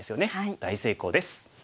大成功です。